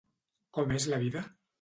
Com és la vida?